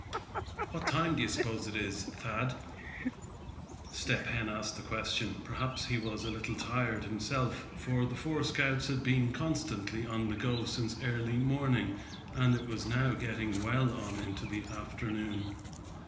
"What time d'ye suppose it is, Thad?" Step Hen asked the question. Perhaps he was a little tired himself, for the four scouts had been constantly on the go since early morning, and it was now getting well on into the afternoon.